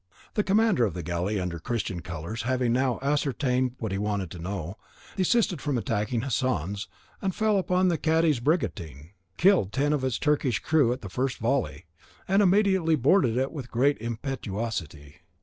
The commander of the galley under Christian colours having now ascertained what he wanted to know, desisted from attacking Hassan's and fell upon the cadi's brigantine, killed ten of its Turkish crew at the first volley, and immediately boarded it with great impetuosity.